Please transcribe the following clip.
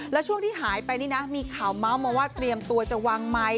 แล้วช่วงที่หายไปนี่นะมีข่าวเมาส์มาว่าเตรียมตัวจะวางไมค์